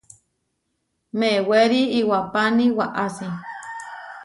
Mewéri iwapáni waʼási.